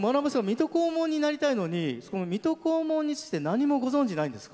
水戸黄門になりたいのに水戸黄門について何もご存じないんですか？